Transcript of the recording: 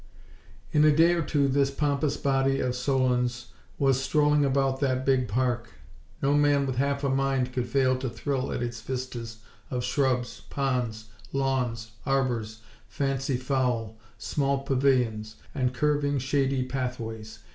In a day or two this pompous body of solons was strolling about that big park. No man with half a mind could fail to thrill at its vistas of shrubs, ponds, lawns, arbors, fancy fowl, small pavilions and curving shady pathways.